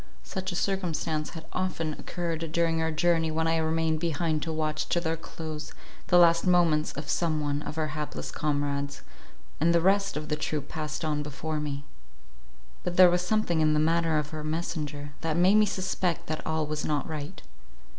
Such a circumstance had often occurred during our journey, when I remained behind to watch to their close the last moments of some one of our hapless comrades, and the rest of the troop past on before me. But there was something in the manner of her messenger, that made me suspect that all was not right.